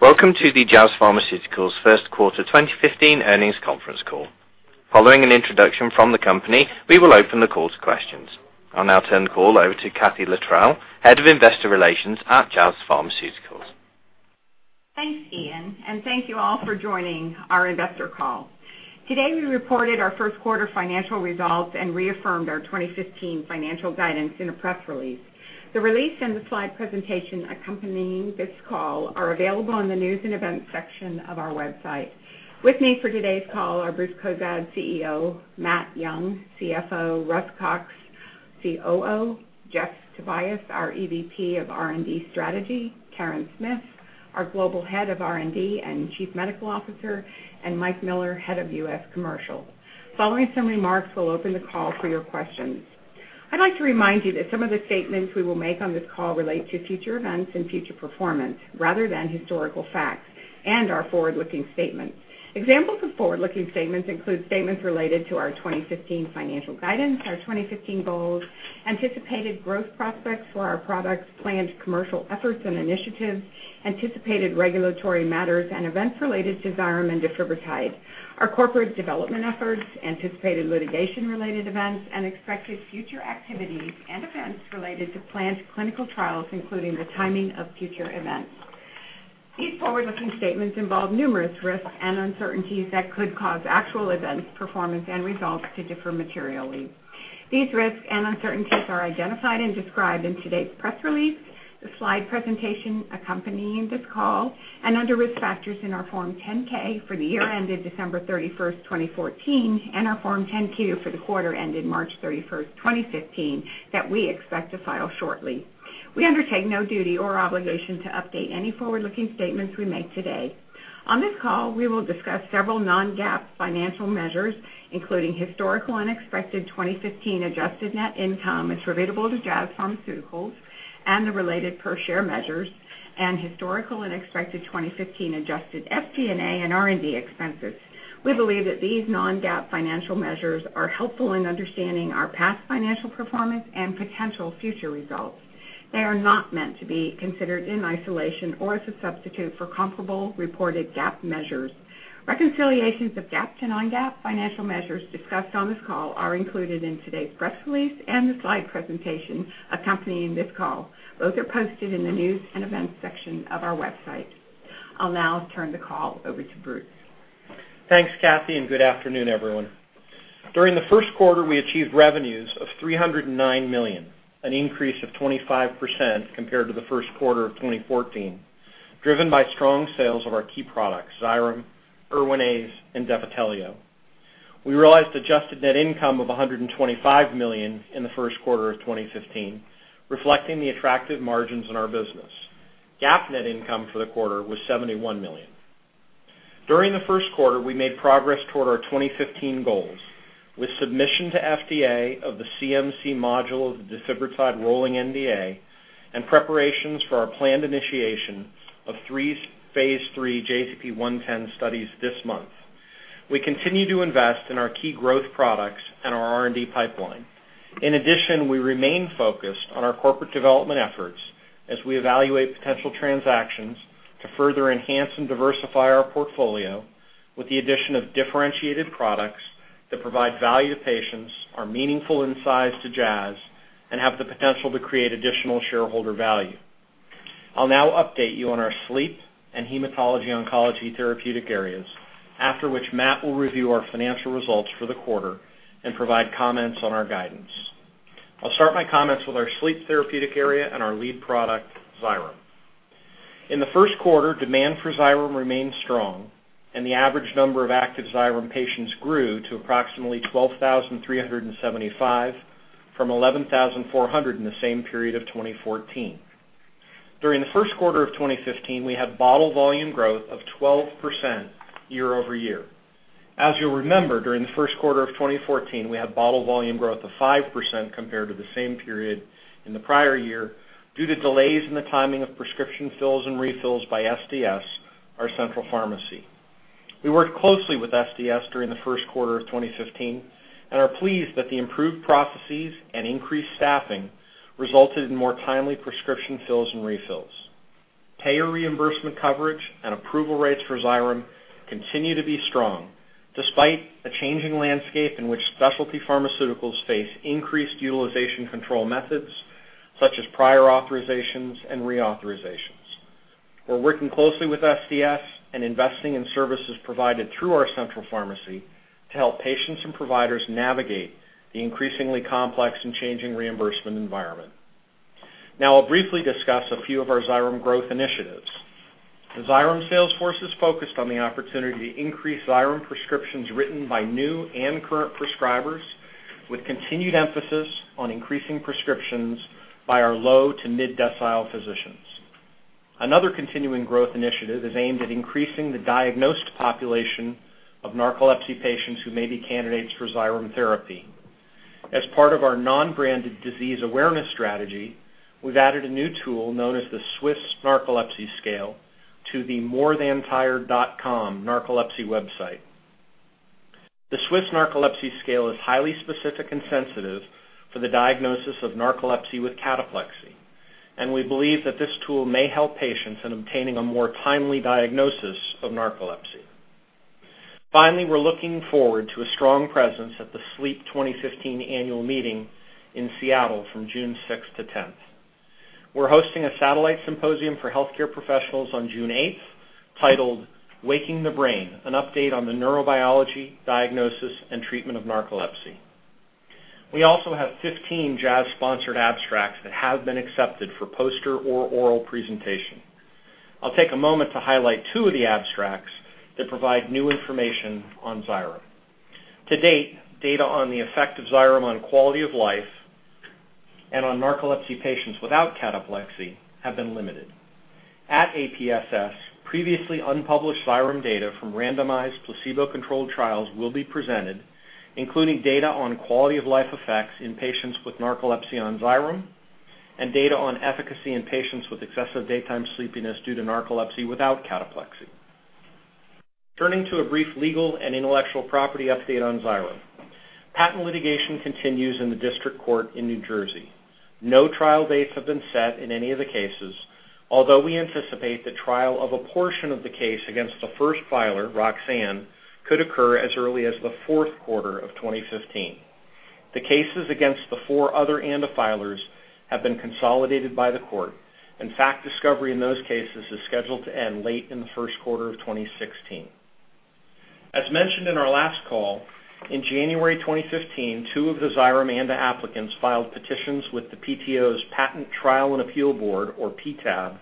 Welcome to the Jazz Pharmaceuticals First Quarter 2015 Earnings Conference Call. Following an introduction from the company, we will open the call to questions. I'll now turn the call over to Kathee Littrell, Head of Investor Relations at Jazz Pharmaceuticals. Thanks Ian and thank you all for joining our investor call. Today, we reported our first quarter financial results and reaffirmed our 2015 financial guidance in a press release. The release and the slide presentation accompanying this call are available on the news and events section of our website. With me for today's call are Bruce Cozadd; CEO, Matt Young; CFO, Russ Cox; COO, Jeff Tobias, our EVP of R&D Strategy, Karen Smith, our Global Head of R&D and Chief Medical Officer, and Mike Miller; Head of U.S. Commercial. Following some remarks, we'll open the call for your questions. I'd like to remind you that some of the statements we will make on this call relate to future events and future performance rather than historical facts and are forward-looking statements. Examples of forward-looking statements include statements related to our 2015 financial guidance, our 2015 goals, anticipated growth prospects for our products, planned commercial efforts and initiatives, anticipated regulatory matters, and events related to Xyrem and defibrotide. Our corporate development efforts, anticipated litigation-related events, and expected future activities and events related to planned clinical trials, including the timing of future events. These forward-looking statements involve numerous risks and uncertainties that could cause actual events, performance and results to differ materially. These risks and uncertainties are identified and described in today's press release, the slide presentation accompanying this call, and under Risk Factors in our Form 10-K for the year ended December 31, 2014, and our Form 10-Q for the quarter ended March 31, 2015, that we expect to file shortly. We undertake no duty or obligation to update any forward-looking statements we make today. On this call, we will discuss several non-GAAP financial measures, including historical and expected 2015 adjusted net income attributable to Jazz Pharmaceuticals and the related per share measures, and historical and expected 2015 adjusted SG&A and R&D expenses. We believe that these non-GAAP financial measures are helpful in understanding our past financial performance and potential future results. They are not meant to be considered in isolation or as a substitute for comparable reported GAAP measures. Reconciliations of GAAP to non-GAAP financial measures discussed on this call are included in today's press release and the slide presentation accompanying this call. Both are posted in the news and events section of our website. I'll now turn the call over to Bruce. Thanks Kathee and good afternoon everyone. During the first quarter, we achieved revenues of $309 million, an increase of 25% compared to the first quarter of 2014, driven by strong sales of our key products, Xyrem, Erwinaze, and Defitelio. We realized adjusted net income of $125 million in the first quarter of 2015, reflecting the attractive margins in our business, GAAP net income for the quarter was $71 million. During the first quarter, we made progress toward our 2015 goals, with submission to FDA of the CMC module of the Defibrotide Rolling NDA and preparations for our planned initiation of three phase III JZP-110 studies this month. We continue to invest in our key growth products and our R&D pipeline. In addition, we remain focused on our corporate development efforts as we evaluate potential transactions to further enhance and diversify our portfolio with the addition of differentiated products that provide value to patients, are meaningful in size to Jazz and have the potential to create additional shareholder value. I'll now update you on our sleep and hematology/oncology therapeutic areas, after which Matt will review our financial results for the quarter and provide comments on our guidance. I'll start my comments with our sleep therapeutic area and our lead product, Xyrem. In the first quarter, demand for Xyrem remained strong and the average number of active Xyrem patients grew to approximately 12,375 from 11,400 in the same period of 2014. During the first quarter of 2015, we had bottle volume growth of 12% year-over-year. As you'll remember, during the first quarter of 2014, we had bottle volume growth of 5% compared to the same period in the prior year due to delays in the timing of prescription fills and refills by SDS, our central pharmacy. We worked closely with SDS during the first quarter of 2015 and are pleased that the improved processes and increased staffing resulted in more timely prescription fills and refills. Payer reimbursement coverage and approval rates for Xyrem continue to be strong, despite a changing landscape in which specialty pharmaceuticals face increased utilization control methods, such as prior authorizations and reauthorizations. We're working closely with SDS and investing in services provided through our central pharmacy to help patients and providers navigate the increasingly complex and changing reimbursement environment. Now I'll briefly discuss a few of our Xyrem growth initiatives. The Xyrem sales force is focused on the opportunity to increase Xyrem prescriptions written by new and current prescribers, with continued emphasis on increasing prescriptions by our low to mid-decile physicians. Another continuing growth initiative is aimed at increasing the diagnosed population of narcolepsy patients who may be candidates for Xyrem therapy. As part of our non-branded disease awareness strategy, we've added a new tool known as the Swiss Narcolepsy Scale to the morethantired.com narcolepsy website. The Swiss Narcolepsy Scale is highly specific and sensitive for the diagnosis of narcolepsy with cataplexy, and we believe that this tool may help patients in obtaining a more timely diagnosis of narcolepsy. Finally, we're looking forward to a strong presence at the SLEEP 2015 Annual Meeting in Seattle from June 6 to 10, 2015. We're hosting a satellite symposium for healthcare professionals on June 8 titled Waking the Brain: An Update on the Neurobiology, Diagnosis, and Treatment of Narcolepsy. We also have 15 Jazz-sponsored abstracts that have been accepted for poster or oral presentation. I'll take a moment to highlight two of the abstracts that provide new information on Xyrem. To date, data on the effect of Xyrem on quality of life and on narcolepsy patients without cataplexy have been limited. At APSS, previously unpublished Xyrem data from randomized placebo-controlled trials will be presented, including data on quality-of-life effects in patients with narcolepsy on Xyrem, and data on efficacy in patients with excessive daytime sleepiness due to narcolepsy without cataplexy. Turning to a brief legal and intellectual property update on Xyrem. Patent litigation continues in the district court in New Jersey. No trial dates have been set in any of the cases, although we anticipate the trial of a portion of the case against the first filer, Roxane, could occur as early as the fourth quarter of 2015. The cases against the four other ANDA filers have been consolidated by the court, and fact discovery in those cases is scheduled to end late in the first quarter of 2016. As mentioned in our last call, in January 2015, two of the Xyrem ANDA applicants filed petitions with the USPTO's Patent Trial and Appeal Board, or PTAB,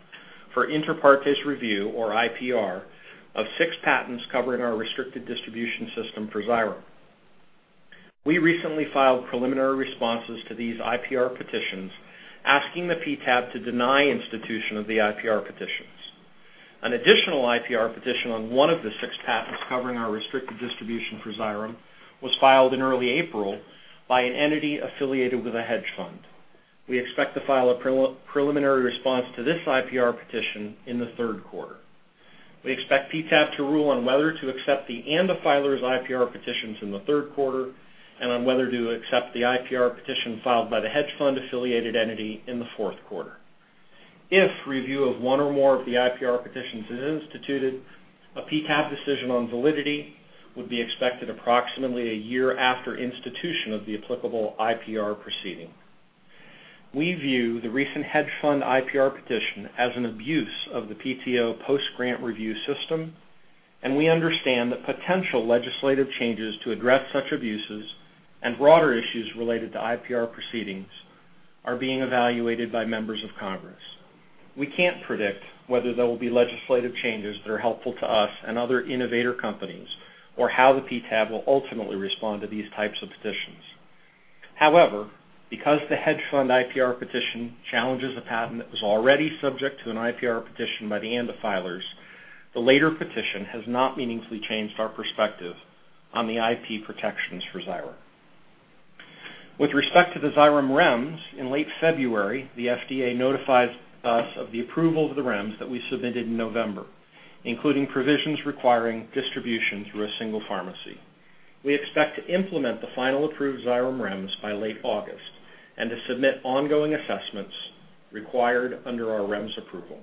for inter partes review, or IPR, of six patents covering our restricted distribution system for Xyrem. We recently filed preliminary responses to these IPR petitions asking the PTAB to deny institution of the IPR petitions. An additional IPR petition on one of the six patents covering our restricted distribution for Xyrem was filed in early April by an entity affiliated with a hedge fund. We expect to file a preliminary response to this IPR petition in the third quarter. We expect PTAB to rule on whether to accept the ANDA filers IPR petitions in the third quarter and on whether to accept the IPR petition filed by the hedge fund-affiliated entity in the fourth quarter. If review of one or more of the IPR petitions is instituted, a PTAB decision on validity would be expected approximately a year after institution of the applicable IPR proceeding. We view the recent hedge fund IPR petition as an abuse of the PTO post-grant review system, and we understand that potential legislative changes to address such abuses and broader issues related to IPR proceedings are being evaluated by members of Congress. We can't predict whether there will be legislative changes that are helpful to us and other innovator companies or how the PTAB will ultimately respond to these types of petitions. However, because the hedge fund IPR petition challenges a patent that was already subject to an IPR petition by the ANDA filers, the later petition has not meaningfully changed our perspective on the IP protections for Xyrem. With respect to the Xyrem REMS, in late February, the FDA notified us of the approval of the REMS that we submitted in November, including provisions requiring distribution through a single pharmacy. We expect to implement the final approved Xyrem REMS by late August and to submit ongoing assessments required under our REMS approval.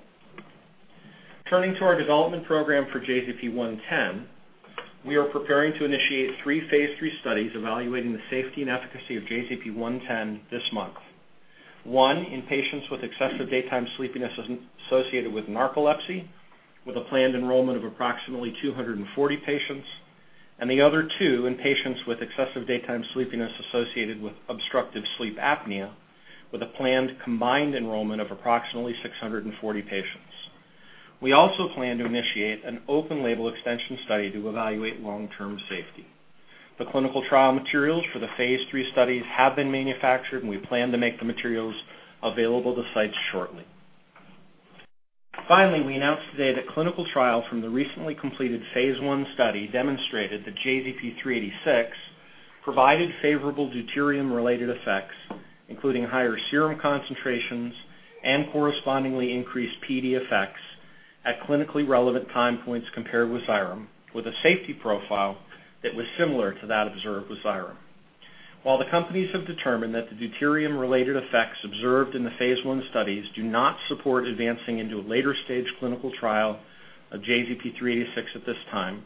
Turning to our development program for JZP-110, we are preparing to initiate three phase III studies evaluating the safety and efficacy of JZP-110 this month. One in patients with excessive daytime sleepiness associated with narcolepsy, with a planned enrollment of approximately 240 patients. The other two in patients with excessive daytime sleepiness associated with obstructive sleep apnea, with a planned combined enrollment of approximately 640 patients. We also plan to initiate an open-label extension study to evaluate long-term safety. The clinical trial materials for the phase III studies have been manufactured, and we plan to make the materials available to sites shortly. Finally, we announced today that clinical trials from the recently completed phase I study demonstrated that JZP-386 provided favorable deuterium-related effects, including higher serum concentrations and correspondingly increased PD effects at clinically relevant time points compared with Xyrem, with a safety profile that was similar to that observed with Xyrem. While the companies have determined that the deuterium-related effects observed in the phase I studies do not support advancing into a later-stage clinical trial of JZP-386 at this time,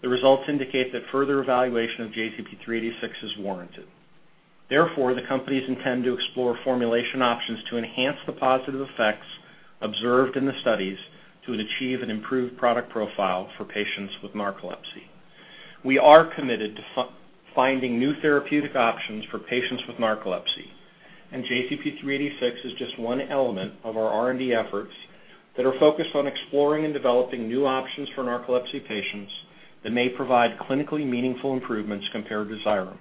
the results indicate that further evaluation of JZP-386 is warranted. Therefore, the companies intend to explore formulation options to enhance the positive effects observed in the studies to achieve an improved product profile for patients with narcolepsy. We are committed to finding new therapeutic options for patients with narcolepsy, and JZP-386 is just one element of our R&D efforts that are focused on exploring and developing new options for narcolepsy patients that may provide clinically meaningful improvements compared to Xyrem.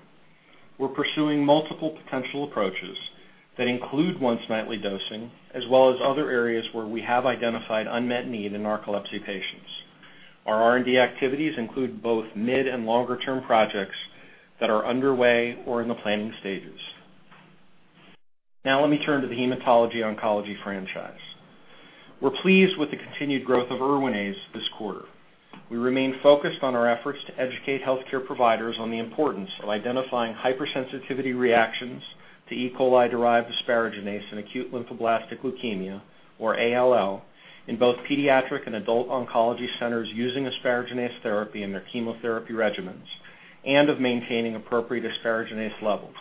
We're pursuing multiple potential approaches that include once-nightly dosing, as well as other areas where we have identified unmet need in narcolepsy patients. Our R&D activities include both mid and longer-term projects that are underway or in the planning stages. Now let me turn to the hematology oncology franchise. We're pleased with the continued growth of Erwinaze this quarter. We remain focused on our efforts to educate healthcare providers on the importance of identifying hypersensitivity reactions to E. coli-derived asparaginase in acute lymphoblastic leukemia, or ALL, in both pediatric and adult oncology centers using asparaginase therapy in their chemotherapy regimens and of maintaining appropriate asparaginase levels.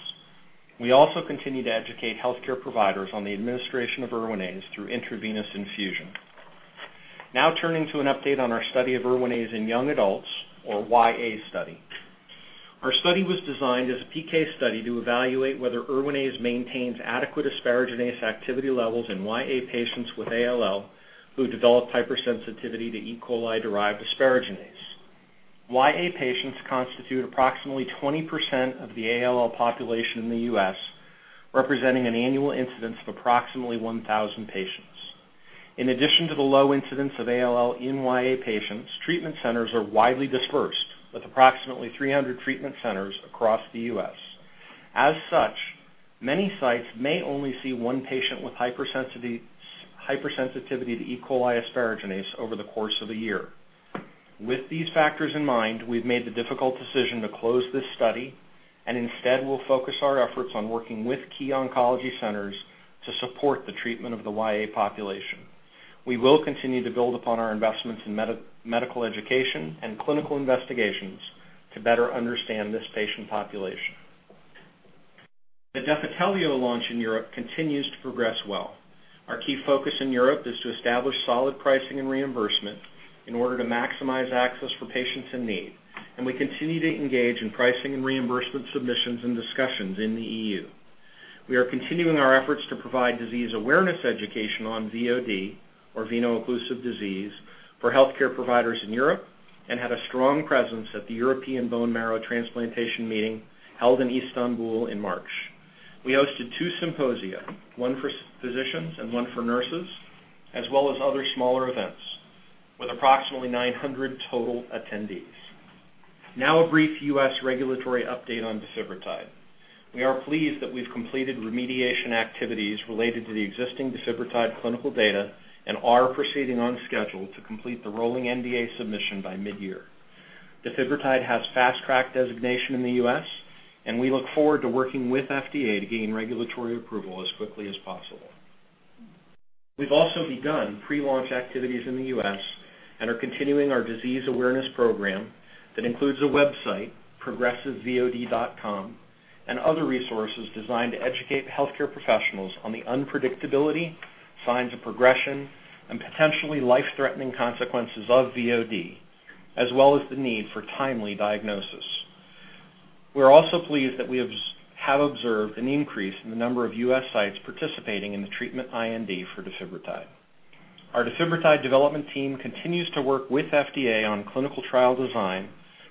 We also continue to educate healthcare providers on the administration of Erwinaze through intravenous infusion. Now turning to an update on our study of Erwinaze in young adults or YA study. Our study was designed as a PK study to evaluate whether Erwinaze maintains adequate asparaginase activity levels in YA patients with ALL who developed hypersensitivity to E. coli-derived asparaginase. YA patients constitute approximately 20% of the ALL population in the U.S., representing an annual incidence of approximately 1,000 patients. In addition to the low incidence of ALL in YA patients, treatment centers are widely dispersed, with approximately 300 treatment centers across the U.S.. As such, many sites may only see one patient with hypersensitivity to E. coli asparaginase over the course of a year. With these factors in mind, we've made the difficult decision to close this study and instead will focus our efforts on working with key oncology centers to support the treatment of the YA population. We will continue to build upon our investments in medical education and clinical investigations to better understand this patient population. The Defitelio launch in Europe continues to progress well. Our key focus in Europe is to establish solid pricing and reimbursement in order to maximize access for patients in need. We continue to engage in pricing and reimbursement submissions and discussions in the EU. We are continuing our efforts to provide disease awareness education on VOD, or veno-occlusive disease, for healthcare providers in Europe, and had a strong presence at the European Society for Blood and Marrow Transplantation meeting held in Istanbul in March. We hosted two symposia, one for physicians and one for nurses, as well as other smaller events with approximately 900 total attendees. Now a brief U.S. regulatory update on defibrotide. We are pleased that we've completed remediation activities related to the existing defibrotide clinical data and are proceeding on schedule to complete the rolling NDA submission by mid-year. Defibrotide has Fast Track designation in the U.S., and we look forward to working with FDA to gain regulatory approval as quickly as possible. We've also begun pre-launch activities in the U.S. and are continuing our disease awareness program that includes a website, progressivevod.com, and other resources designed to educate healthcare professionals on the unpredictability, signs of progression, and potentially life-threatening consequences of VOD, as well as the need for timely diagnosis. We're also pleased that we have observed an increase in the number of U.S. sites participating in the treatment IND for defibrotide. Our defibrotide development team continues to work with FDA on clinical trial design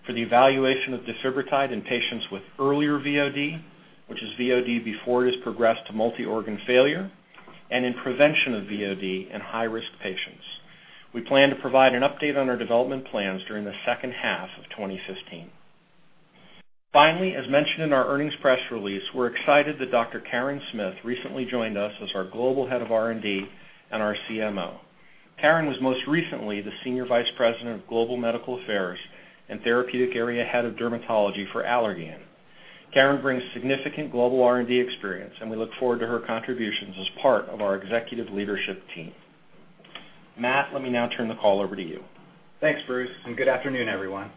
for the evaluation of defibrotide in patients with earlier VOD, which is VOD before it has progressed to multi-organ failure, and in prevention of VOD in high-risk patients. We plan to provide an update on our development plans during the second half of 2015. Finally, as mentioned in our earnings press release, we're excited that Dr. Karen Smith recently joined us as our Global Head of R&D and our CMO. Karen was most recently the Senior Vice President of Global Medical Affairs and Therapeutic Area Head of Dermatology for Allergan. Karen brings significant global R&D experience, and we look forward to her contributions as part of our executive leadership team. Matt, let me now turn the call over to you. Thanks Bruce and good afternoon everyone.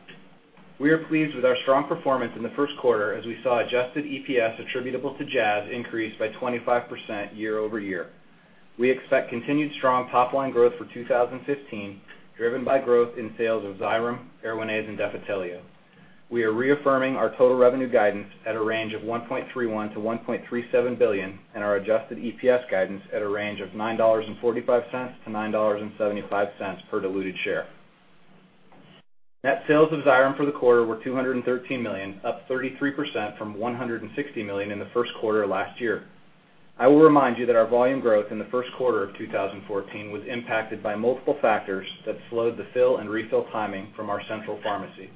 We are pleased with our strong performance in the first quarter as we saw adjusted EPS attributable to Jazz increase by 25% year-over-year. We expect continued strong top-line growth for 2015, driven by growth in sales of Xyrem, Erwinaze and Defitelio. We are reaffirming our total revenue guidance at a range of $1.31 billion-$1.37 billion and our adjusted EPS guidance at a range of $9.45-$9.75 per diluted share. Net sales of Xyrem for the quarter were $213 million, up 33% from $160 million in the first quarter last year. I will remind you that our volume growth in the first quarter of 2014 was impacted by multiple factors that slowed the fill and refill timing from our central pharmacy.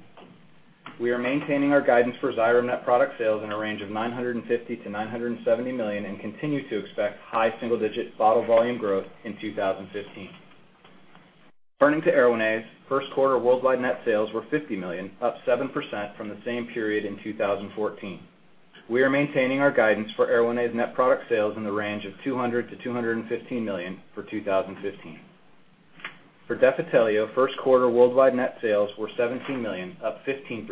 We are maintaining our guidance for Xyrem net product sales in a range of $950 million-$970 million and continue to expect high single-digit bottle volume growth in 2015. Turning to Erwinaze, first quarter worldwide net sales were $50 million, up 7% from the same period in 2014. We are maintaining our guidance for Erwinaze net product sales in the range of $200 million-$215 million for 2015. For Defitelio, first quarter worldwide net sales were $17 million, up 15%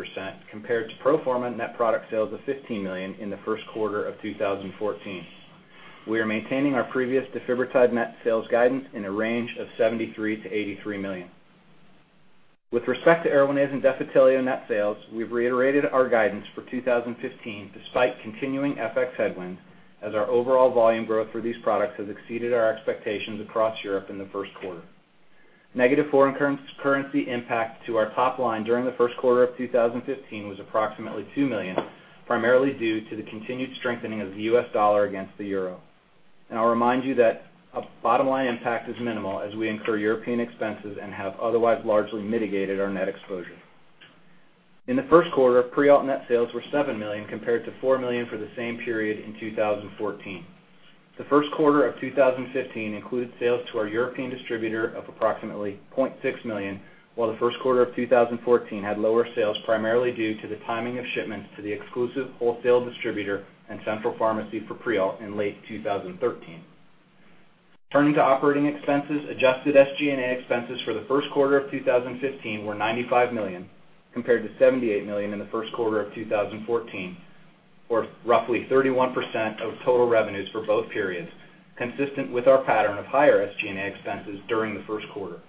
compared to pro forma net product sales of $15 million in the first quarter of 2014. We are maintaining our previous defibrotide net sales guidance in a range of $73 million-$83 million. With respect to Erwinaze and Defitelio net sales, we've reiterated our guidance for 2015 despite continuing FX headwinds as our overall volume growth for these products has exceeded our expectations across Europe in the first quarter. Negative foreign currency impact to our top line during the first quarter of 2015 was approximately $2 million, primarily due to the continued strengthening of the U.S. dollar against the euro. I'll remind you that a bottom line impact is minimal as we incur European expenses and have otherwise largely mitigated our net exposure. In the first quarter, Prialt net sales were $7 million compared to $4 million for the same period in 2014. The first quarter of 2015 includes sales to our European distributor of approximately $0.6 million, while the first quarter of 2014 had lower sales, primarily due to the timing of shipments to the exclusive wholesale distributor and central pharmacy for Prialt in late 2013. Turning to operating expenses, adjusted SG&A expenses for the first quarter of 2015 were $95 million compared to $78 million in the first quarter of 2014, or roughly 31% of total revenues for both periods, consistent with our pattern of higher SG&A expenses during the first quarter.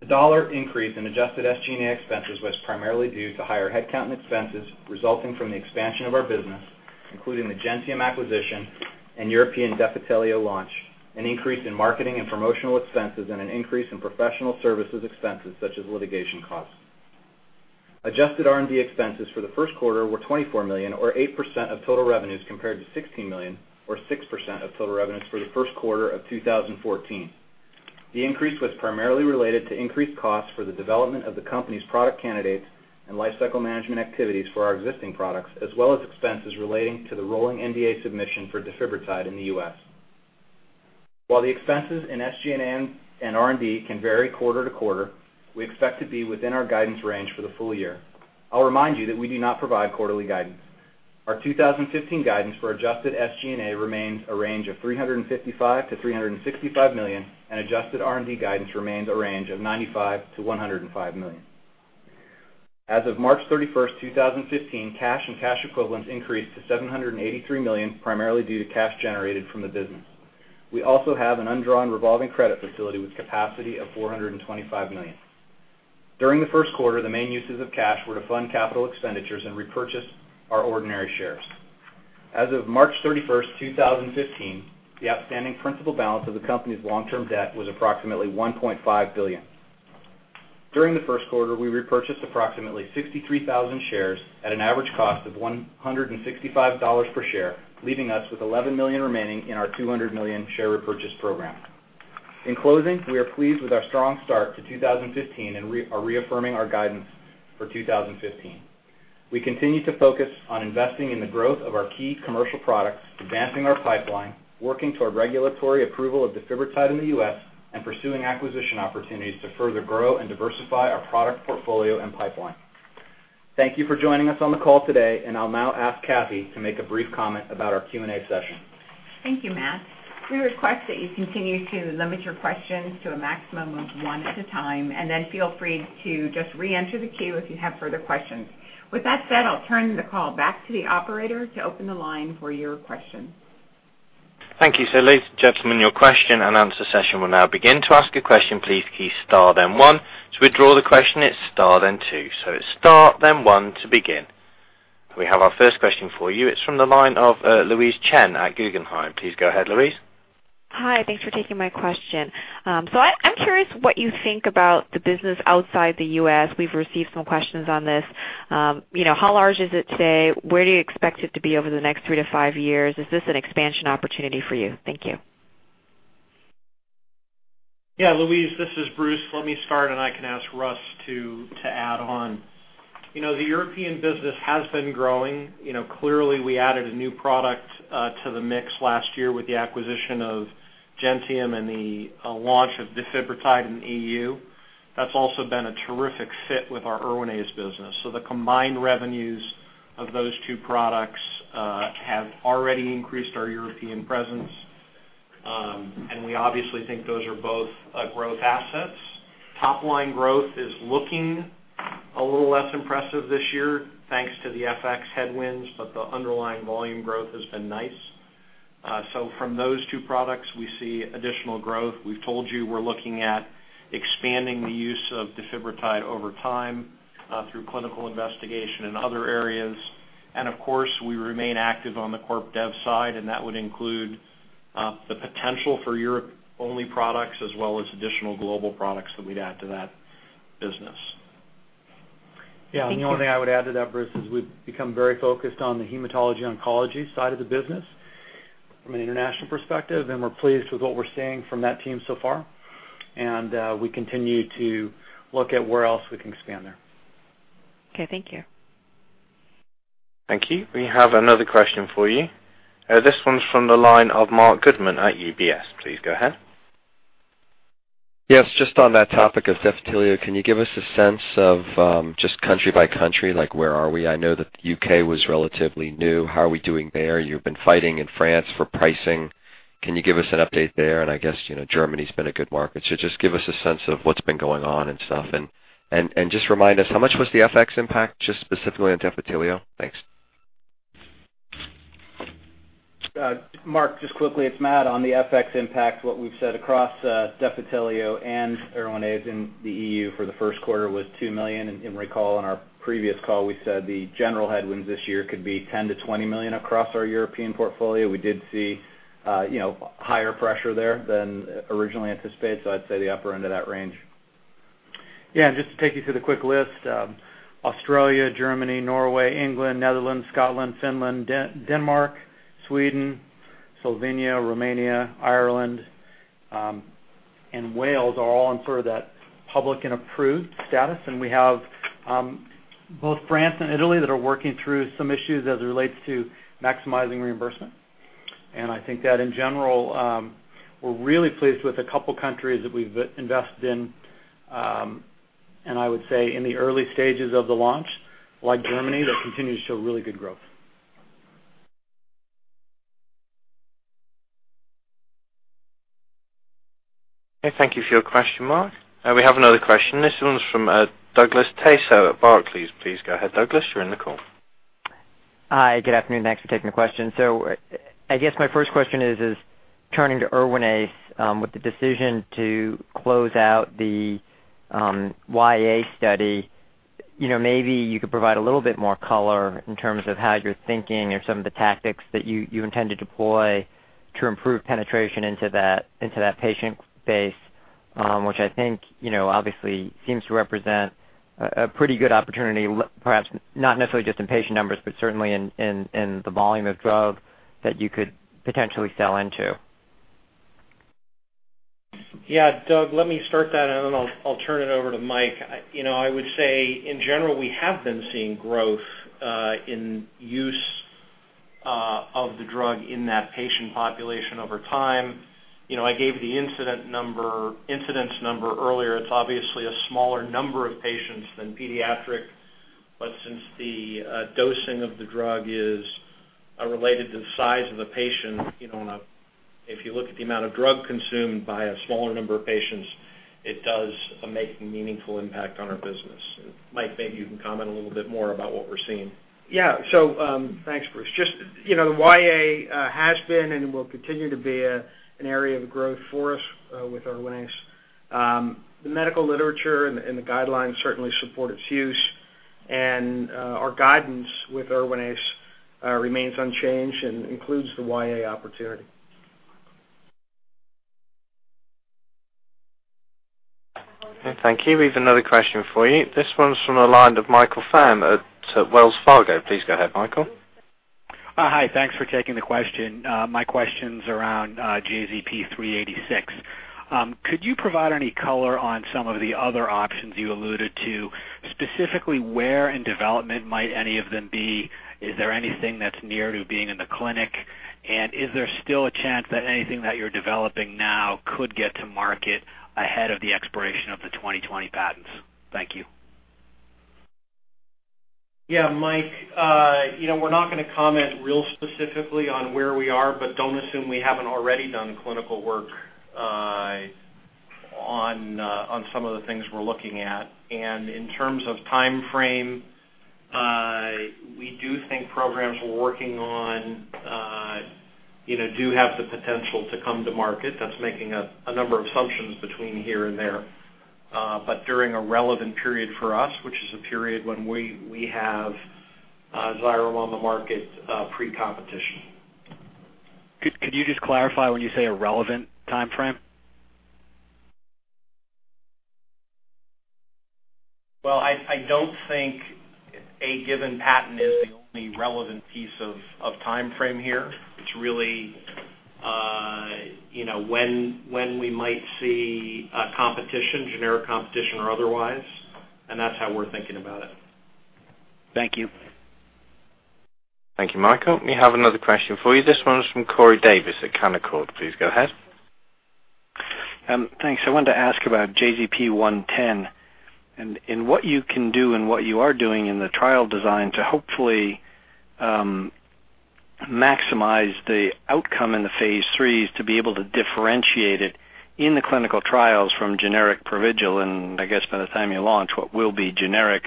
The dollar increase in adjusted SG&A expenses was primarily due to higher headcount and expenses resulting from the expansion of our business, including the Gentium acquisition and European Defitelio launch, an increase in marketing and promotional expenses, and an increase in professional services expenses such as litigation costs. Adjusted R&D expenses for the first quarter were $24 million or 8% of total revenues, compared to $16 million or 6% of total revenues for the first quarter of 2014. The increase was primarily related to increased costs for the development of the company's product candidates and lifecycle management activities for our existing products, as well as expenses relating to the rolling NDA submission for defibrotide in the U.S.. While the expenses in SG&A and R&D can vary quarter to quarter, we expect to be within our guidance range for the full year. I'll remind you that we do not provide quarterly guidance. Our 2015 guidance for adjusted SG&A remains a range of $355 million-$365 million, and adjusted R&D guidance remains a range of $95 million-$105 million. As of March 31, 2015, cash and cash equivalents increased to $783 million, primarily due to cash generated from the business. We also have an undrawn revolving credit facility with capacity of $425 million. During the first quarter, the main uses of cash were to fund capital expenditures and repurchase our ordinary shares. As of March 31, 2015, the outstanding principal balance of the company's long-term debt was approximately $1.5 billion. During the first quarter, we repurchased approximately 63,000 shares at an average cost of $165 per share, leaving us with $11 million remaining in our $200 million share repurchase program. In closing, we are pleased with our strong start to 2015 and are reaffirming our guidance for 2015. We continue to focus on investing in the growth of our key commercial products, advancing our pipeline, working toward regulatory approval of defibrotide in the U.S., and pursuing acquisition opportunities to further grow and diversify our product portfolio and pipeline. Thank you for joining us on the call today, and I'll now ask Kathee to make a brief comment about our Q&A session. Thank you Matt. We request that you continue to limit your questions to a maximum of one at a time and then feel free to just reenter the queue if you have further questions. With that said, I'll turn the call back to the operator to open the line for your questions. Thank you. Ladies and gentlemen, your question and answer session will now begin. To ask a question, please key star then one. To withdraw the question, it's star then two. It's star then one to begin. We have our first question for you. It's from the line of Louise Chen at Guggenheim. Please go ahead, Louise. Hi, thanks for taking my question. I'm curious what you think about the business outside the U.S.? We've received some questions on this. You know, how large is it today? Where do you expect it to be over the next three to five years? Is this an expansion opportunity for you? Thank you. Yeah Louise, this is Bruce. Let me start and I can ask Russ to add on. You know, the European business has been growing. You know, clearly, we added a new product to the mix last year with the acquisition of Gentium and the launch of Defitelio in the EU. That's also been a terrific fit with our Erwinaze business. The combined revenues of those two products have already increased our European presence. We obviously think those are both growth assets. Top line growth is looking a little less impressive this year thanks to the FX headwinds, but the underlying volume growth has been nice. From those two products, we see additional growth. We've told you we're looking at expanding the use of Defitelio over time through clinical investigation in other areas. Of course, we remain active on the corp dev side, and that would include the potential for Europe-only products as well as additional global products that we'd add to that business. Thank you. Yeah. The only thing I would add to that Bruce, is we've become very focused on the hematology oncology side of the business from an international perspective, and we're pleased with what we're seeing from that team so far. We continue to look at where else we can expand there. Okay, thank you. Thank you. We have another question for you. This one's from the line of Marc Goodman at UBS. Please go ahead. Yes. Just on that topic of Defitelio, can you give us a sense of just country by country, like, where are we? I know that the U.K. was relatively new. How are we doing there? You've been fighting in France for pricing. Can you give us an update there? And I guess, you know, Germany's been a good market. So just give us a sense of what's been going on and stuff. And just remind us, how much was the FX impact just specifically on Defitelio? Thanks. Marc just quickly, it's Matt. On the FX impact, what we've said across Defitelio and Erwinaze in the EU for the first quarter was $2 million. You'll recall on our previous call, we said the general headwinds this year could be $10 million-$20 million across our European portfolio. We did see, you know, higher pressure there than originally anticipated, so I'd say the upper end of that range. Yeah. Just to take you through the quick list, Australia, Germany, Norway, England, Netherlands, Scotland, Finland, Denmark, Sweden, Slovenia, Romania, Ireland and Wales are all in sort of that public and approved status. We have both France and Italy that are working through some issues as it relates to maximizing reimbursement. I think that in general, we're really pleased with a couple of countries that we've invested in, and I would say in the early stages of the launch, like Germany, that continues to show really good growth. Okay, thank you for your question, Mark. We have another question. This one's from Douglas Tsao at Barclays. Please go ahead Douglas. You're in the call. Hi, good afternoon, thanks for taking the question. I guess my first question is turning to Erwinaze, with the decision to close out the YA study, you know, maybe you could provide a little bit more color in terms of how you're thinking or some of the tactics that you intend to deploy to improve penetration into that patient base? which I think, you know, obviously seems to represent a pretty good opportunity, perhaps not necessarily just in patient numbers, but certainly in the volume of drug that you could potentially sell into. Yeah. Doug, let me start that and then I'll turn it over to Mike. You know, I would say in general, we have been seeing growth in use of the drug in that patient population over time. You know, I gave the incidence number earlier. It's obviously a smaller number of patients than pediatric but since the dosing of the drug is related to the size of the patient, you know, and if you look at the amount of drug consumed by a smaller number of patients, it does make a meaningful impact on our business. Mike maybe you can comment a little bit more about what we're seeing. Yea, thanks Bruce. Just, you know, the YA has been and will continue to be an area of growth for us with Erwinaze. The medical literature and the guidelines certainly support its use. Our guidance with Erwinaze remains unchanged and includes the YA opportunity. Okay, thank you. We have another question for you. This one's from the line of Michael Faerm at Wells Fargo. Please go ahead Michael. Hi, thanks for taking the question. My question's around JZP-386. Could you provide any color on some of the other options you alluded to, specifically where in development might any of them be? Is there anything that's near to being in the clinic? Is there still a chance that anything that you're developing now could get to market ahead of the expiration of the 2020 patents? Thank you. Yeah Mike. You know, we're not gonna comment real specifically on where we are, but don't assume we haven't already done clinical work on some of the things we're looking at. In terms of timeframe, we do think programs we're working on, you know, do have the potential to come to market. That's making a number of assumptions between here and there, but during a relevant period for us, which is a period when we have Xyrem on the market, pre-competition. Could you just clarify when you say a relevant timeframe? Well, I don't think a given patent is the only relevant piece of timeframe here. It's really, you know, when we might see competition, generic competition or otherwise, and that's how we're thinking about it. Thank you. Thank you Michael. We have another question for you. This one is from Corey Davis at Canaccord. Please go ahead. Thanks. I wanted to ask about JZP-110 and what you can do and what you are doing in the trial design to hopefully maximize the outcome in the phase III to be able to differentiate it in the clinical trials from generic Provigil? And I guess by the time you launch, what will be generic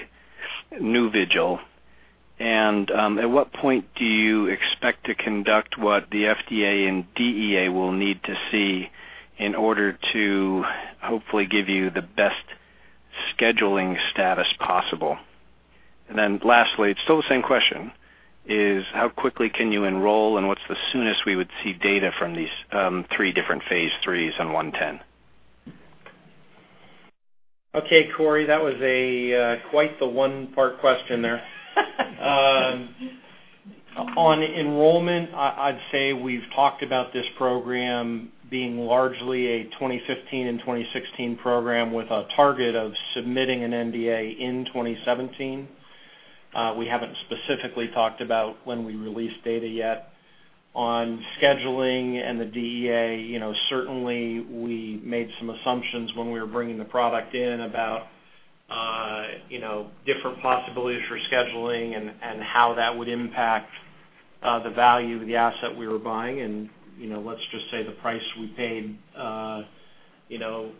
Nuvigil? At what point do you expect to conduct what the FDA and DEA will need to see in order to hopefully give you the best scheduling status possible? Lastly, it's still the same question, is how quickly can you enroll, and what's the soonest we would see data from these three different phase III on JZP-110? Okay Corey, that was quite the one-part question there. On enrollment, I'd say we've talked about this program being largely a 2015 and 2016 program with a target of submitting an NDA in 2017. We haven't specifically talked about when we release data yet. On scheduling and the DEA, you know, certainly we made some assumptions when we were bringing the product in about, you know, different possibilities for scheduling and how that would impact the value of the asset we were buying. You know, let's just say the price we paid, you know,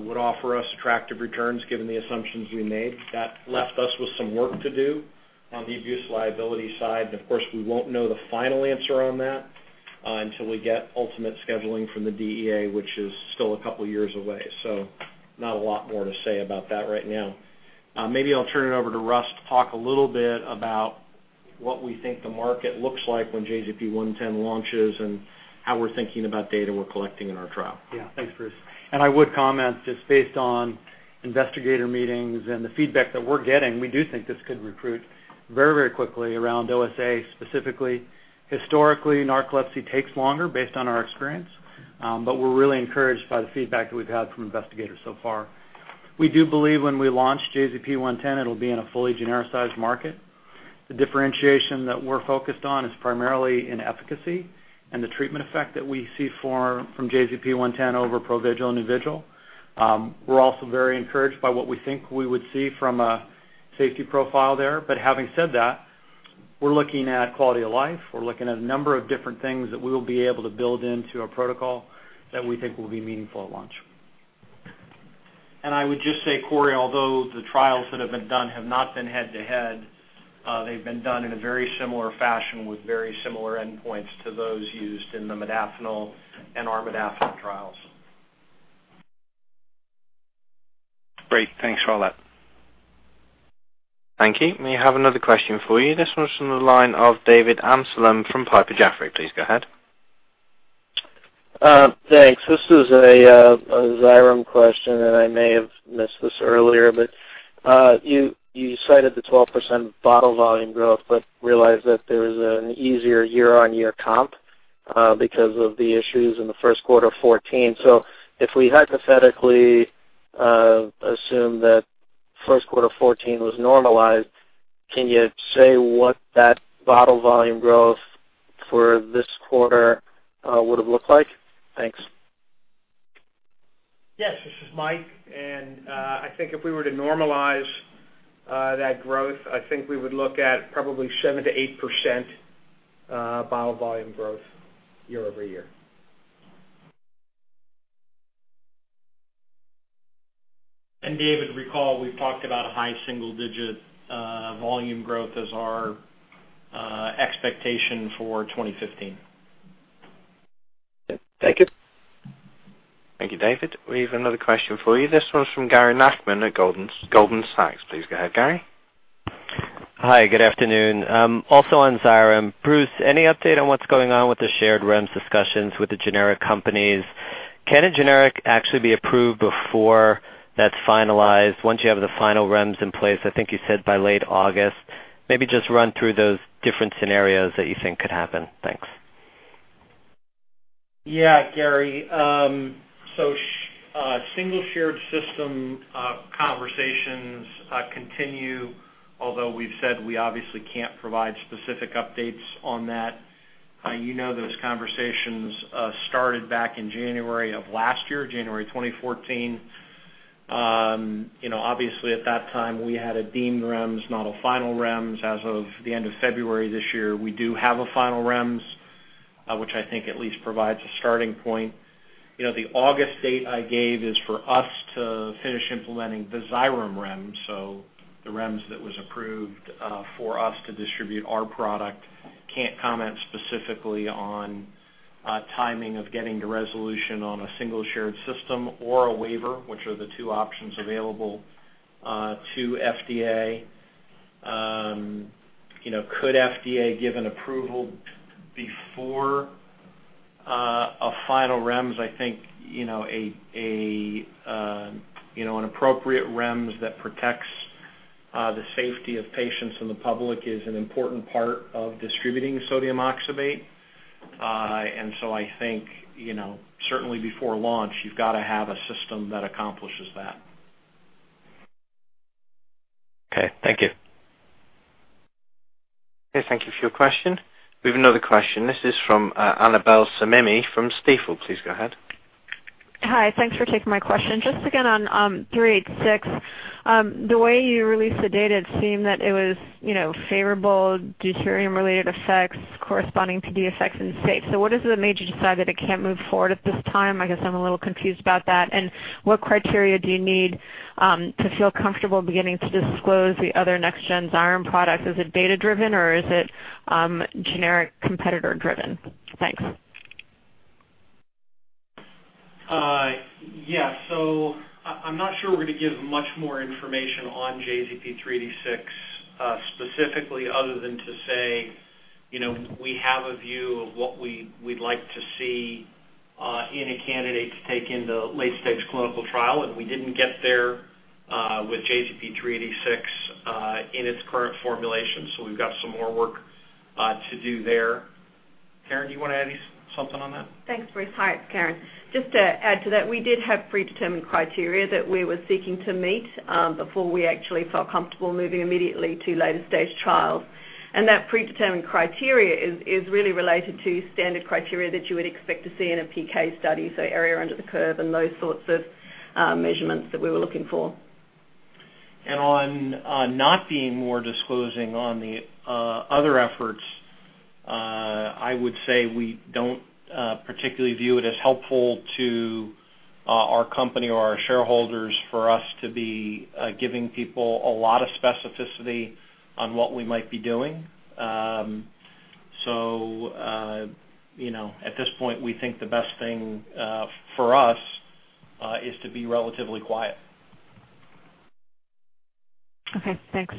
would offer us attractive returns given the assumptions we made. That left us with some work to do on the abuse liability side. Of course, we won't know the final answer on that until we get ultimate scheduling from the DEA, which is still a couple of years away. Not a lot more to say about that right now. Maybe I'll turn it over to Russ to talk a little bit about what we think the market looks like when JZP-110 launches and how we're thinking about data we're collecting in our trial. Yeah. Thanks Bruce. I would comment just based on Investigator meetings and the feedback that we're getting, we do think this could recruit very, very quickly around OSA, specifically. Historically, narcolepsy takes longer based on our experience, but we're really encouraged by the feedback that we've had from investigators so far. We do believe when we launch JZP-110, it'll be in a fully genericized market. The differentiation that we're focused on is primarily in efficacy and the treatment effect that we see from JZP-110 over Provigil and Nuvigil. We're also very encouraged by what we think we would see from a safety profile there. Having said that, we're looking at quality of life. We're looking at a number of different things that we will be able to build into a protocol that we think will be meaningful at launch. I would just say Corey, although the trials that have been done have not been head-to-head, they've been done in a very similar fashion with very similar endpoints to those used in the modafinil and armodafinil trials. Great, thanks for all that. Thank you. May I have another question for you? This one's from the line of David Amsellem from Piper Sandler. Please go ahead. Thanks. This is a Xyrem question and I may have missed this earlier, but you cited the 12% bottle volume growth, but realized that there was an easier year-on-year comp because of the issues in the first quarter of 2014. If we hypothetically assume that first quarter of 2014 was normalized, can you say what that bottle volume growth for this quarter would have looked like? Thanks. Yes, this is Mike. I think if we were to normalize that growth, I think we would look at probably 7%-8% bottle volume growth year-over-year. David recall, we've talked about high single-digit volume growth as our expectation for 2015. Thank you. Thank you David. We have another question for you. This one's from Gary Nachman at Goldman Sachs. Please go ahead, Gary. Hi, good afternoon. Also on Xyrem. Bruce, any update on what's going on with the shared REMS discussions with the generic companies? Can a generic actually be approved before that's finalized once you have the final REMS in place? I think you said by late August. Maybe just run through those different scenarios that you think could happen. Thanks. Yeah, Gary. So single shared system conversations continue, although we've said we obviously can't provide specific updates on that. You know those conversations started back in January of last year, January 2014. You know, obviously at that time, we had a deemed REMS, not a final REMS. As of the end of February this year, we do have a final REMS, which I think at least provides a starting point. You know, the August date I gave is for us to finish implementing the Xyrem REMS, so the REMS that was approved for us to distribute our product. Can't comment specifically on timing of getting to resolution on a single shared system or a waiver, which are the two options available to FDA. You know, could FDA give an approval before a final REMS? I think, you know, an appropriate REMS that protects the safety of patients and the public is an important part of distributing sodium oxybate. I think, you know, certainly before launch, you've got to have a system that accomplishes that. Okay, thank you. Okay, thank you for your question. We have another question. This is from Annabel Samimy from Stifel. Please go ahead. Hi, thanks for taking my question. Just again on JZP-386. The way you released the data, it seemed that it was, you know, favorable deuterium-related effects corresponding to the effects in Xyrem. What is it that made you decide that it can't move forward at this time? I guess I'm a little confused about that. What criteria do you need to feel comfortable beginning to disclose the other next-gen Xyrem products? Is it data-driven or is it generic competitor-driven? Thanks. I'm not sure we're gonna give much more information on JZP-386 specifically other than to say, you know, we have a view of what we'd like to see in a candidate to take into late-stage clinical trial, and we didn't get there with JZP-386 in its current formulation, so we've got some more work to do there. Karen, do you wanna add something on that? Thanks Bruce. Hi it's Karen. Just to add to that, we did have predetermined criteria that we were seeking to meet before we actually felt comfortable moving immediately to later stage trials. That predetermined criteria is really related to standard criteria that you would expect to see in a PK study, so area under the curve and those sorts of measurements that we were looking for. On not being more disclosing on the other efforts, I would say we don't particularly view it as helpful to our company or our shareholders for us to be giving people a lot of specificity on what we might be doing. You know, at this point, we think the best thing for us is to be relatively quiet. Okay, thanks.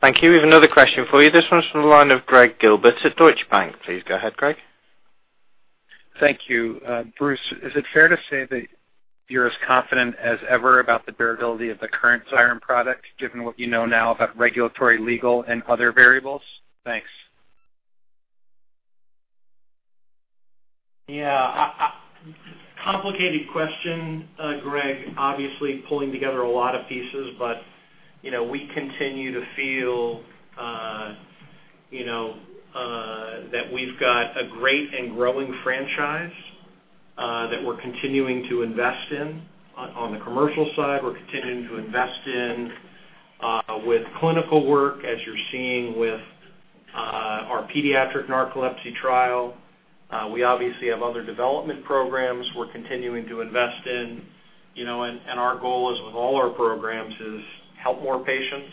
Thank you. We have another question for you. This one's from the line of Gregg Gilbert at Deutsche Bank. Please go ahead, Greg. Thank you. Bruce, is it fair to say that you're as confident as ever about the durability of the current Xyrem product, given what you know now about regulatory, legal, and other variables? Thanks. Complicated question, Greg. Obviously pulling together a lot of pieces, but, you know, we continue to feel, you know, that we've got a great and growing franchise, that we're continuing to invest in on the commercial side. We're continuing to invest in, with clinical work, as you're seeing with, our pediatric narcolepsy trial. We obviously have other development programs we're continuing to invest in, you know, and, our goal is, with all our programs is help more patients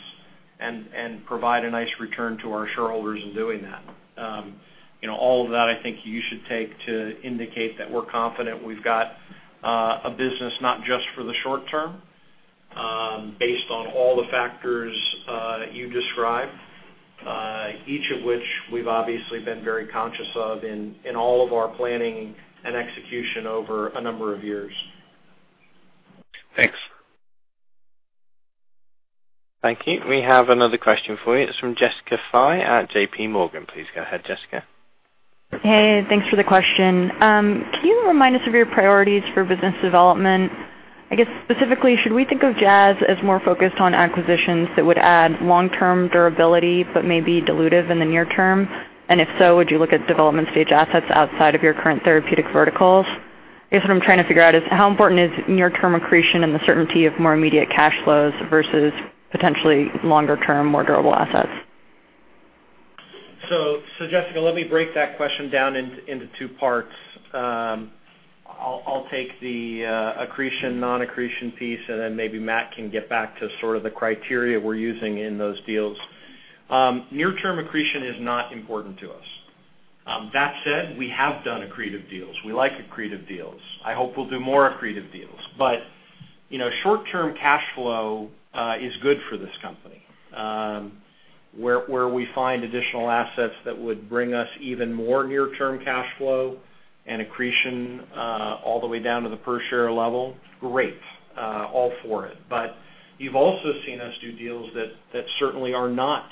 and provide a nice return to our shareholders in doing that. You know, all of that, I think you should take to indicate that we're confident we've got a business not just for the short term, based on all the factors you described, each of which we've obviously been very conscious of in all of our planning and execution over a number of years. Thanks. Thank you. We have another question for you. It's from Jessica Fye at JPMorgan. Please go ahead, Jessica. Hey, thanks for the question. Can you remind us of your priorities for business development? I guess, specifically, should we think of Jazz as more focused on acquisitions that would add long-term durability, but maybe dilutive in the near term? If so, would you look at development stage assets outside of your current therapeutic verticals? I guess what I'm trying to figure out is how important is near-term accretion and the certainty of more immediate cash flows versus potentially longer term, more durable assets. Jessica, let me break that question down into two parts. I'll take the accretion, non-accretion piece, and then maybe Matt can get back to sort of the criteria we're using in those deals. Near-term accretion is not important to us. That said, we have done accretive deals. We like accretive deals. I hope we'll do more accretive deals. But, you know, short-term cash flow is good for this company. Where we find additional assets that would bring us even more near-term cash flow and accretion all the way down to the per share level, great. All for it. But you've also seen us do deals that certainly are not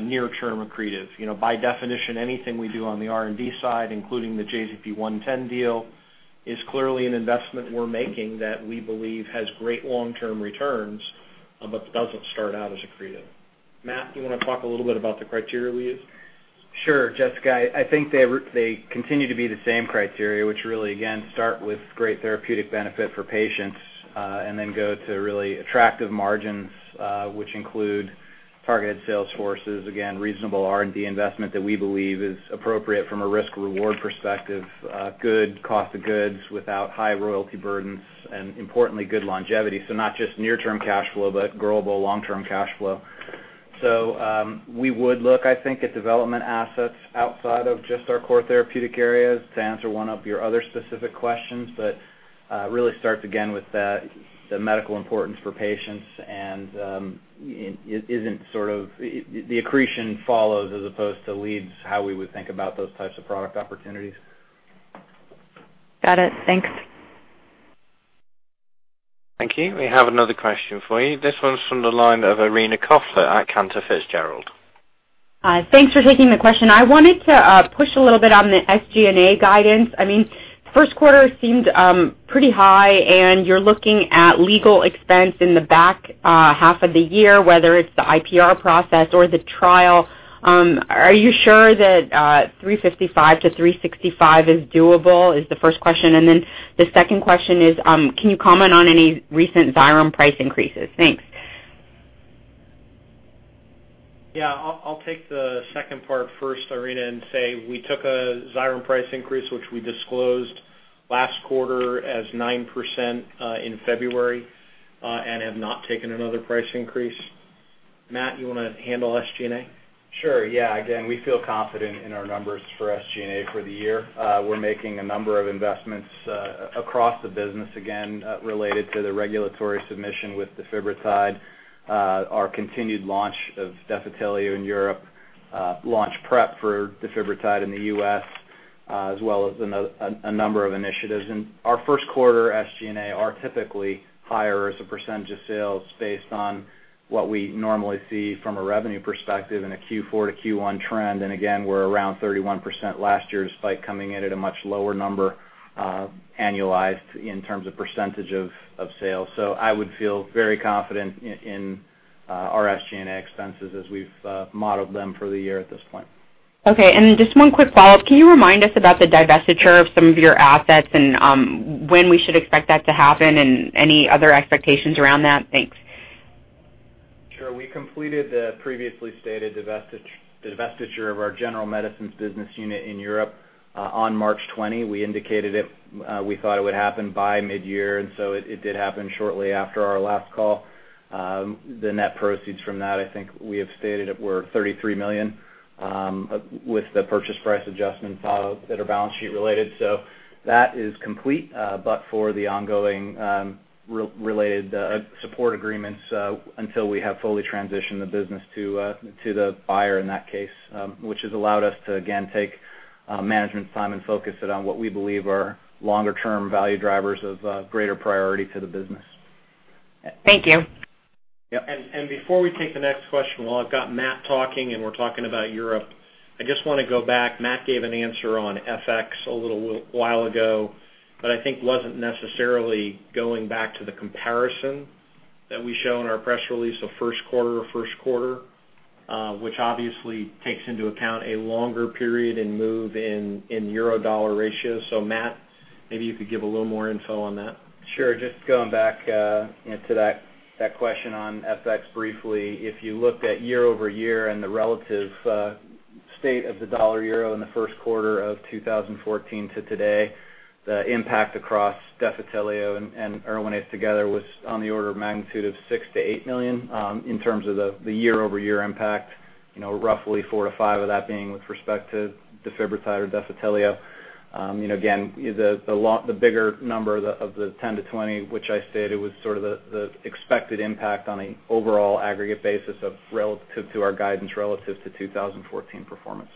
near-term accretive. You know, by definition, anything we do on the R&D side, including the JZP-110 deal, is clearly an investment we're making that we believe has great long-term returns, but doesn't start out as accretive. Matt, you wanna talk a little bit about the criteria we use? Sure. Jessica I think they continue to be the same criteria, which really, again, start with great therapeutic benefit for patients, and then go to really attractive margins, which include targeted sales forces, again, reasonable R&D investment that we believe is appropriate from a risk-reward perspective, good cost of goods without high royalty burdens, and importantly, good longevity. Not just near-term cash flow, but growable long-term cash flow. We would look, I think, at development assets outside of just our core therapeutic areas to answer one of your other specific questions, but really starts again with the medical importance for patients and it isn't sort of. The accretion follows as opposed to leads how we would think about those types of product opportunities. Got it, thanks. Thank you. We have another question for you. This one's from the line of Irina Koffler at Cantor Fitzgerald. Thanks for taking the question. I wanted to push a little bit on the SG&A guidance. I mean, first quarter seemed pretty high, and you're looking at legal expense in the back half of the year, whether it's the IPR process or the trial. Are you sure that $355-$365 is doable, is the first question. The second question is, can you comment on any recent Xyrem price increases? Thanks. Yeah. I'll take the second part first Irina, and say we took a Xyrem price increase, which we disclosed last quarter as 9%, in February and have not taken another price increase. Matt, you wanna handle SG&A? Sure, yeah. Again, we feel confident in our numbers for SG&A for the year. We're making a number of investments across the business again related to the regulatory submission with defibrotide, our continued launch of Defitelio in Europe, launch prep for defibrotide in the U.S., as well as a number of initiatives. Our first quarter SG&A are typically higher as a percentage of sales based on what we normally see from a revenue perspective in a Q4 to Q1 trend. Again, we're around 31% last year, despite coming in at a much lower number annualized in terms of percentage of sales. I would feel very confident in our SG&A expenses as we've modeled them for the year at this point. Okay. Just one quick follow-up. Can you remind us about the divestiture of some of your assets and when we should expect that to happen and any other expectations around that? Thanks. Sure. We completed the previously stated divestiture of our general medicines business unit in Europe on March 20. We indicated it we thought it would happen by mid-year, and so it did happen shortly after our last call. The net proceeds from that, I think we have stated, it's $33 million with the purchase price adjustments that are balance sheet related. That is complete but for the ongoing related support agreements until we have fully transitioned the business to the buyer in that case, which has allowed us to again take management time and focus it on what we believe are longer term value drivers of greater priority to the business. Thank you. Yeah. Before we take the next question, while I've got Matt talking and we're talking about Europe, I just wanna go back. Matt gave an answer on FX a little while ago, but I think wasn't necessarily going back to the comparison that we show in our press release of first quarter to first quarter, which obviously takes into account a longer period and movement in euro-dollar ratio. Matt, maybe you could give a little more info on that. Sure. Just going back to that question on FX briefly. If you looked at year-over-year and the relative state of the dollar euro in the first quarter of 2014 to today, the impact across Defitelio and Erwinaze together was on the order of magnitude of $6 million-$8 million in terms of the year-over-year impact, you know, roughly $4 million-$5 million of that being with respect to defibrotide or Defitelio. You know, again, the bigger number of the $10 million-$20 million which I stated was sort of the expected impact on an overall aggregate basis relative to our guidance relative to 2014 performance.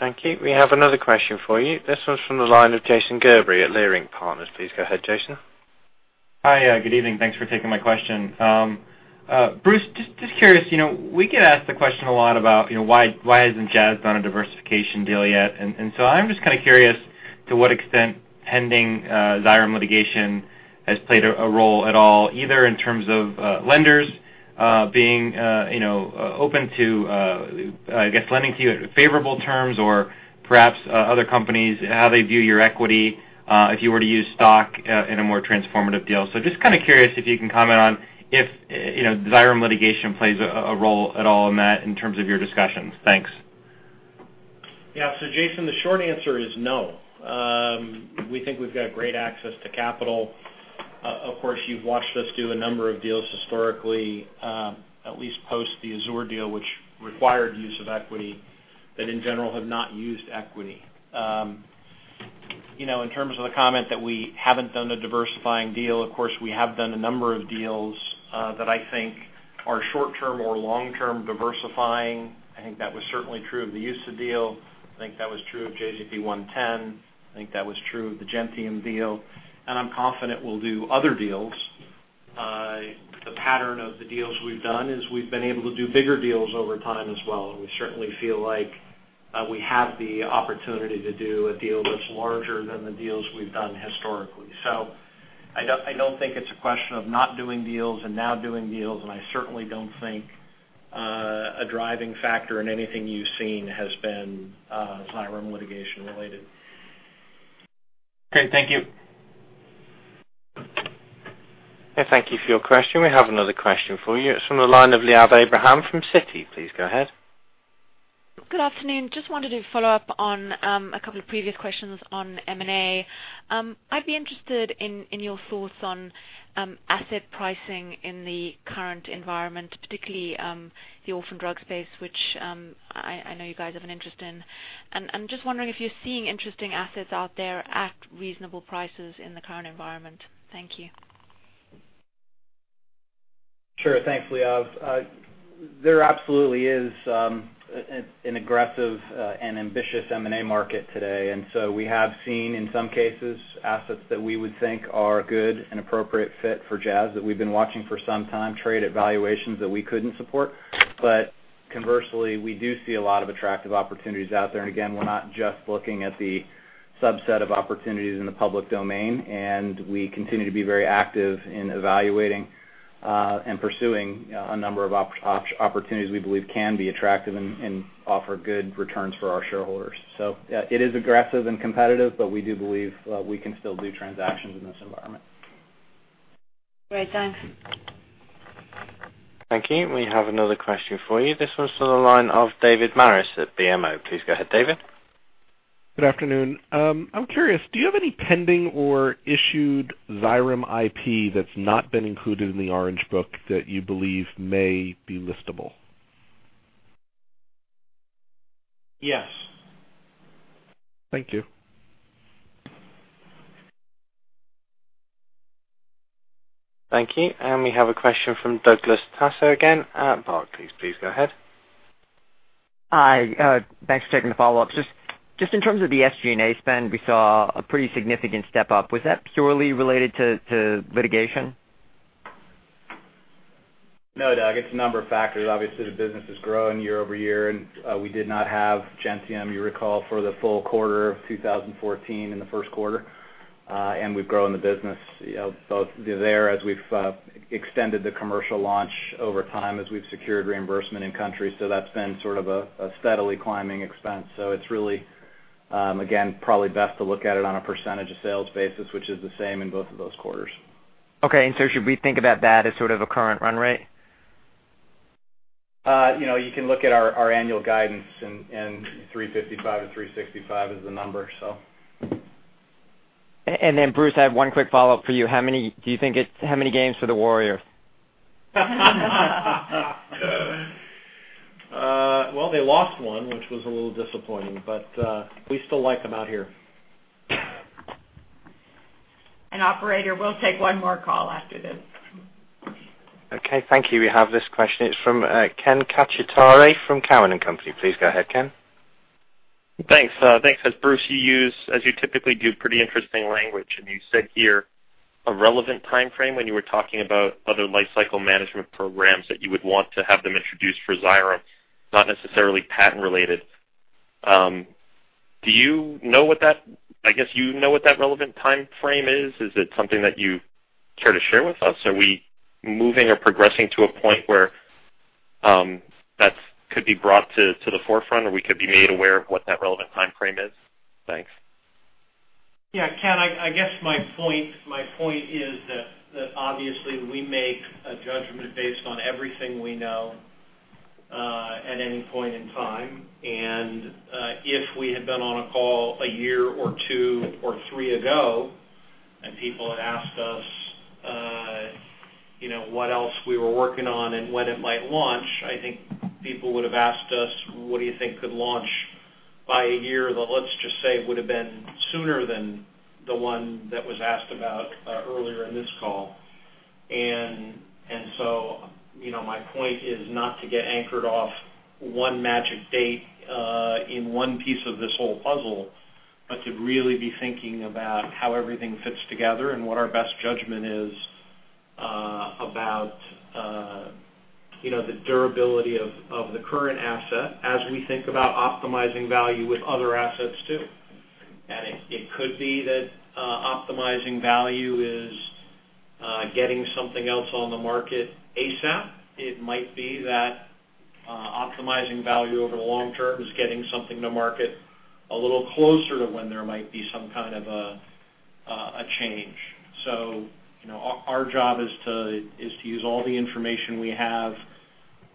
Thanks. Thank you. We have another question for you. This one's from the line of Jason Gerberry at Leerink Partners. Please go ahead, Jason. Hi, good evening, thanks for taking my question. Bruce, just curious, you know, we get asked the question a lot about, you know, why hasn't Jazz done a diversification deal yet? I'm just kinda curious to what extent pending Xyrem litigation has played a role at all, either in terms of lenders being, you know, open to, I guess, lending to you at favorable terms or perhaps other companies, how they view your equity, if you were to use stock in a more transformative deal. Just kinda curious if you can comment on if, you know, Xyrem litigation plays a role at all in that in terms of your discussions. Thanks. Yeah. Jason, the short answer is no. We think we've got great access to capital. Of course, you've watched us do a number of deals historically, at least post the Azur deal which required use of equity that in general have not used equity. You know, in terms of the comment that we haven't done a diversifying deal, of course, we have done a number of deals that I think are short-term or long-term diversifying. I think that was certainly true of the EU SA deal. I think that was true of JZP-110. I think that was true of the Gentium deal. I'm confident we'll do other deals. The pattern of the deals we've done is we've been able to do bigger deals over time as well, and we certainly feel like we have the opportunity to do a deal that's larger than the deals we've done historically. I don't think it's a question of not doing deals and now doing deals, and I certainly don't think a driving factor in anything you've seen has been Xyrem litigation related. Great, thank you. Okay, thank you for your question. We have another question for you. It's from the line of Liav Abraham from Citi. Please go ahead. Good afternoon. Just wanted to follow up on a couple of previous questions on M&A. I'd be interested in your thoughts on asset pricing in the current environment, particularly the orphan drug space, which I know you guys have an interest in. I'm just wondering if you're seeing interesting assets out there at reasonable prices in the current environment. Thank you. Sure, thanks Liav. There absolutely is an aggressive and ambitious M&A market today. We have seen, in some cases, assets that we would think are a good and appropriate fit for Jazz that we've been watching for some time trade at valuations that we couldn't support. Conversely, we do see a lot of attractive opportunities out there. Again, we're not just looking at the subset of opportunities in the public domain, and we continue to be very active in evaluating and pursuing a number of opportunities we believe can be attractive and offer good returns for our shareholders. It is aggressive and competitive but we do believe we can still do transactions in this environment. Great, thanks. Thank you. We have another question for you. This one's to the line of David Maris at BMO. Please go ahead, David. Good afternoon. I'm curious, do you have any pending or issued Xyrem IP that's not been included in the Orange Book that you believe may be listable? Yes. Thank you. Thank you. We have a question from Douglas Tsao again at Barclays. Please, go ahead. Hi, thanks for taking the follow-up. Just in terms of the SG&A spend, we saw a pretty significant step up. Was that purely related to litigation? No Doug, it's a number of factors. Obviously, the business is growing year-over-year, and we did not have Gentium, you recall, for the full quarter of 2014 in the first quarter. We've grown the business, you know, both there as we've extended the commercial launch over time as we've secured reimbursement in countries. That's been sort of a steadily climbing expense. It's really, again, probably best to look at it on a percentage of sales basis, which is the same in both of those quarters. Should we think about that as sort of a current run rate? You know, you can look at our annual guidance and $355-$365 is the number. Bruce, I have one quick follow-up for you. How many games for the Warriors? Well, they lost one, which was a little disappointing, but we still like them out here. Operator, we'll take one more call after this. Okay thank you. We have this question. It's from, Kenneth Cacciatore from Cowen & Co. Please go ahead, Ken. Thanks. As Bruce, you use, as you typically do, pretty interesting language, and you said here a relevant timeframe when you were talking about other lifecycle management programs that you would want to have them introduced for Xyrem, not necessarily patent-related. I guess you know what that relevant timeframe is. Is it something that you care to share with us? Are we moving or progressing to a point where that could be brought to the forefront or we could be made aware of what that relevant timeframe is? Thanks. Yeah. Ken, I guess my point is that obviously we make a judgment based on everything we know at any point in time. If we had been on a call a year or two or three ago, and people had asked us you know what else we were working on and when it might launch, I think people would have asked us what do you think could launch by a year, that let's just say would have been sooner than the one that was asked about earlier in this call. You know, my point is not to get anchored off one magic date in one piece of this whole puzzle, but to really be thinking about how everything fits together and what our best judgment is about you know the durability of the current asset as we think about optimizing value with other assets, too. It could be that optimizing value is getting something else on the market ASAP. It might be that optimizing value over the long term is getting something to market a little closer to when there might be some kind of a change. You know, our job is to use all the information we have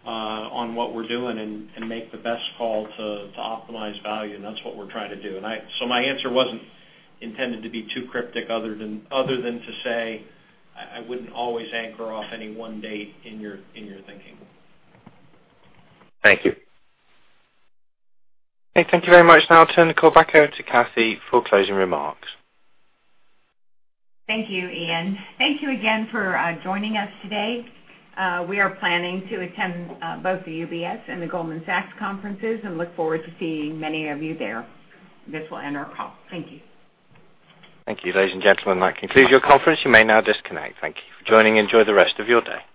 on what we're doing and make the best call to optimize value, and that's what we're trying to do. My answer wasn't intended to be too cryptic other than to say I wouldn't always anchor off any one date in your thinking. Thank you. Okay. Thank you very much. Now I'll turn the call back over to Kathee for closing remarks. Thank you Ian. Thank you again for joining us today. We are planning to attend both the UBS and the Goldman Sachs conferences and look forward to seeing many of you there. This will end our call, thank you. Thank you. Ladies and gentlemen, that concludes your conference. You may now disconnect. Thank you for joining, enjoy the rest of your day.